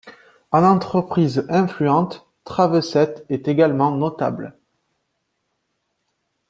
En entreprise influente, Travesset est également notable.